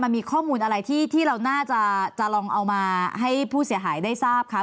มันมีข้อมูลอะไรที่เราน่าจะลองเอามาให้ผู้เสียหายได้ทราบคะ